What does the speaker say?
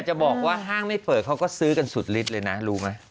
จะบอกว่าห้างไม่เปิดเขาก็ซื้อกันสุดฤทธิ์เลยนะรู้ไหม